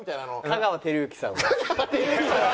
香川照之さん！